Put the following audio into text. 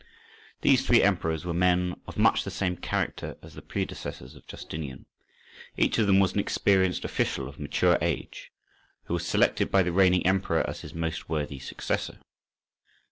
These three emperors were men of much the same character as the predecessors of Justinian; each of them was an experienced official of mature age, who was selected by the reigning emperor as his most worthy successor.